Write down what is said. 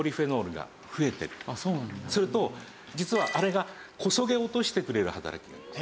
すると実はあれがこそげ落としてくれる働きがあります。